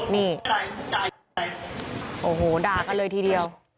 นี่โอ้โหด่ากันเลยทีเดียว